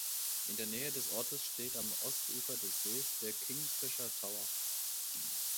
In der Nähe des Ortes steht am Ostufer des Sees der Kingfisher Tower.